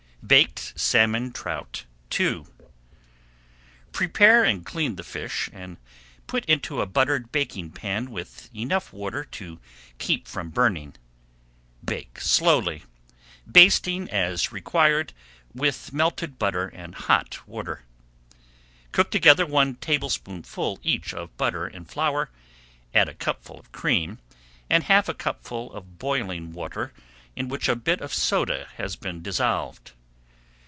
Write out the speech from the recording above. BAKED SALMON TROUT II Prepare and clean the fish and put into a buttered baking pan with enough water to keep from burning. Bake slowly, basting as required with melted butter and hot water. Cook together one tablespoonful each of butter and flour, add a cupful of cream, and half a cupful of boiling water in which a bit of soda has been dissolved.